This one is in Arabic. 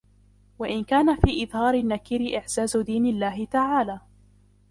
وَإِنْ كَانَ فِي إظْهَارِ النَّكِيرِ إعْزَازُ دِينِ اللَّهِ تَعَالَى